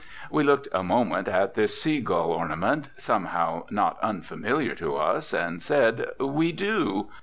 We looked a moment at this sea gull adornment, somehow not unfamiliar to us, and said, "We do."